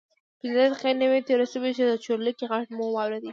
پنځه دقیقې نه وې تېرې شوې چې د چورلکې غږ مو واورېد.